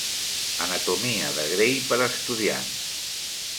Anatomia de Gray per a estudiants.